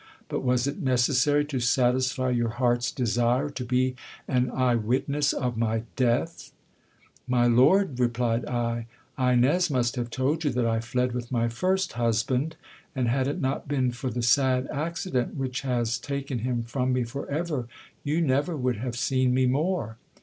But was it necessary to satisfy your heart's desire, to be an eye witness of my death ? My lord, replied I, Ines must have told 30 GIL BLAS. you that I fled with my first husband ; and, had it not been for the sad accident which has taken him from me for ever, you never would have seen me moie.